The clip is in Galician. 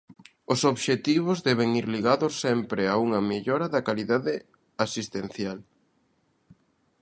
Os obxectivos deben ir ligados sempre a unha mellora da calidade asistencial.